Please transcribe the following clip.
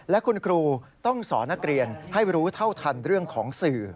และคุณครูต้องสอนนักเรียนให้รู้เท่าทันเรื่องของสื่อ